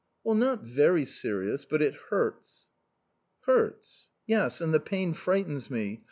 "Not very serious. But it hurts." "Hurts?" "Yes. And the pain frightens me.